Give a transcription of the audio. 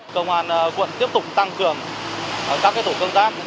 công an quận tiếp tục tăng cường các tổ công tác